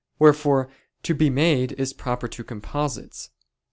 Wherefore to be made is proper to composites.